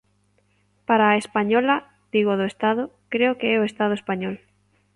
Para a española, digo do Estado, creo que é o Estado español.